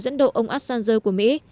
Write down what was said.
dẫn độ ông assanger của mỹ